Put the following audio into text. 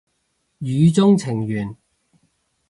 語中程緣